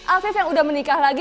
alvis yang udah menikah lagi